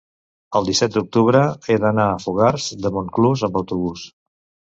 el disset d'octubre he d'anar a Fogars de Montclús amb autobús.